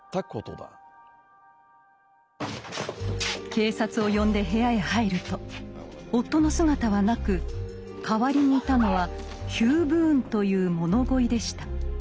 警察を呼んで部屋へ入ると夫の姿はなく代わりにいたのはヒュー・ブーンという物乞いでした。